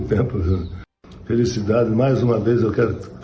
kepala kebahagiaan sekali lagi saya ingin jelas